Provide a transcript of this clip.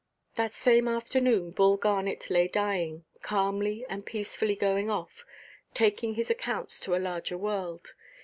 That same afternoon Bull Garnet lay dying, calmly and peacefully going off, taking his accounts to a larger world.